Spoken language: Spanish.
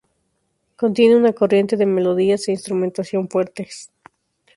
Contiene una "corriente de melodías e instrumentación fuertes".